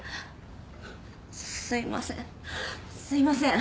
すいませんすいません。